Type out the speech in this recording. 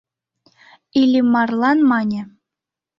Иллимарлан мане: